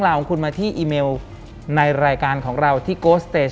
หลังจากนั้นเราไม่ได้คุยกันนะคะเดินเข้าบ้านอืม